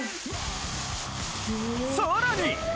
さらに！